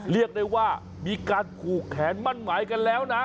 เรียกได้ว่ามีการผูกแขนมั่นหมายกันแล้วนะ